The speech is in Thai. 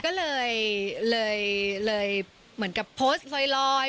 ก็เลยเหมือนกับโพสต์ลอย